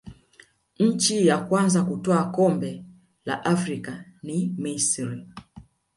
nchi ya kwanza kutwaa kombe la afrika ni misri